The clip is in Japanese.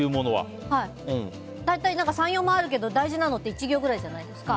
大体３４枚あるけど大事なのって１行ぐらいじゃないですか。